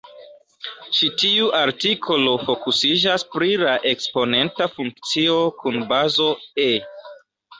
Ĉi tiu artikolo fokusiĝas pri la eksponenta funkcio kun bazo "e".